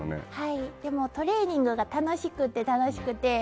でもトレーニングが楽しくて楽しくて。